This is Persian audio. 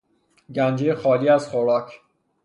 گنجهی خالی از خوراک